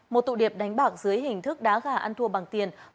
một tụ điểm đánh bạc dưới hình thức đá gà ăn thua bằng tiền